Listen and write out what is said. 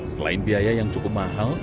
selain biaya yang cukup mahal